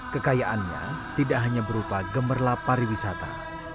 kekayaannya tidak hanya berupa gemerlap pariwisata